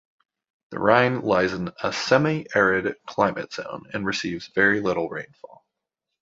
The Ryn lies in a semi-arid climate zone, and receives very little rainfall.